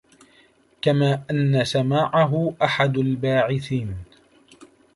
كَمَا أَنَّ سَمَاعَهُ أَحَدُ الْبَاعِثَيْنِ